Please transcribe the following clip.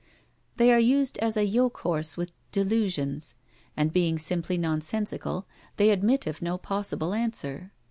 They are used as a yoke horse with 'delusions;' and being simply nonsensical, they admit of no possible answer.